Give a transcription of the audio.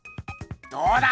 どうだ！